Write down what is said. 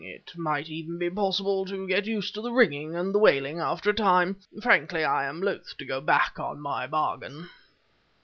It might even be possible to get used to the ringing and the wailing after a time. Frankly, I am loath to go back on my bargain!"